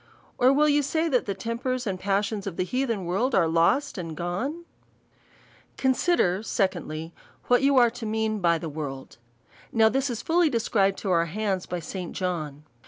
^ Or will yon say, that the tempers and pas sions of the heathen world are lost and gone ? Consider, Secondly, What yon are to mean by the world. Now this is fully described to our hands by St. John.